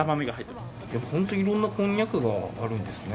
ホントいろんなこんにゃくがあるんですね。